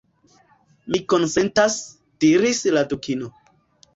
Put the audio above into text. « Mi konsentas," diris la Dukino.